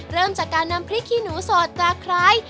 เริ่มจากการนำพริกขี้หนูสดจากไคร้